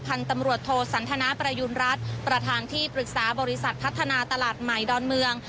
พันธุ์ตำรวจโทสันทนาประยุณรัฐประธานที่ปรึกษาบริษัทพัฒนาตลาดใหม่ดอนเมือง